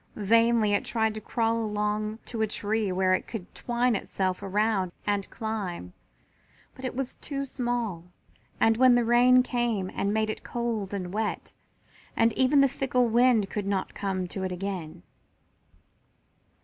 Vainly it tried to crawl along to a tree where it could twine itself around and climb, but it was too small, and then the rain came and made it cold and wet, and even the fickle wind did not come to it again.